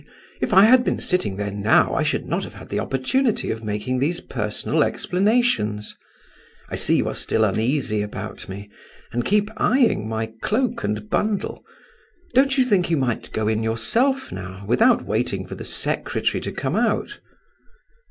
If I had been sitting there now, I should not have had the opportunity of making these personal explanations. I see you are still uneasy about me and keep eyeing my cloak and bundle. Don't you think you might go in yourself now, without waiting for the secretary to come out?"